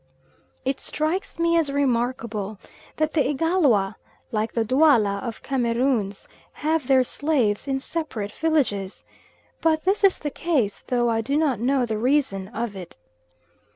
It strikes me as remarkable that the Igalwa, like the Dualla of Cameroons, have their slaves in separate villages; but this is the case, though I do not know the reason of it.